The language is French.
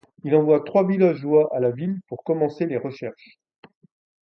Il envoie trois villageois à la ville pour commencer les recherches.